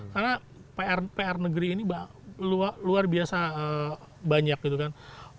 karena pr negeri ini luar biasa banyak gitu kan